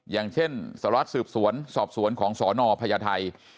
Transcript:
อย่างเช่นสารวัสสืบสวนสอบสวนของสนพญาไทย